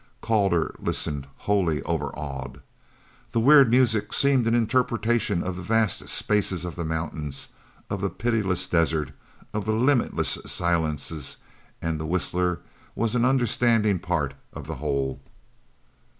Calder listened, wholly overawed. That weird music seemed an interpretation of the vast spaces of the mountains, of the pitiless desert, of the limitless silences, and the whistler was an understanding part of the whole.